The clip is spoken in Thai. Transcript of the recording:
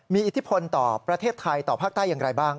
มีอิทธิพลต่อประเทศไทยต่อภาคใต้อย่างไรบ้าง